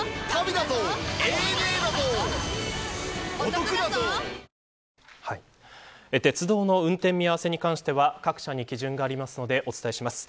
損保ジャパン鉄道の運転見合わせに関しては各社に基準がありますのでお伝えします。